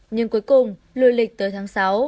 nhưng cuối cùng lưu lịch tới tháng sáu